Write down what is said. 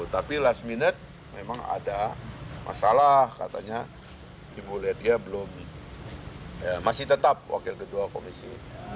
tapi last minute memang ada masalah katanya ibu ledya belum masih tetap wakil ketua komisi